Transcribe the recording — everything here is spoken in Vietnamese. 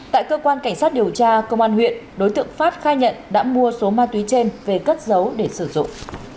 tại cơ quan cảnh sát điều tra công an huyện đối tượng phát khai nhận đã mua số ma túy trên về cất dấu để sử dụng